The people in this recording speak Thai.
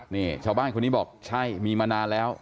นี่ชาวบ้านคนนี้บอกใช่มีมานานแล้ว